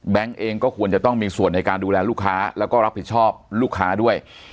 เองก็ควรจะต้องมีส่วนในการดูแลลูกค้าแล้วก็รับผิดชอบลูกค้าด้วย